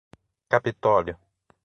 Capitólio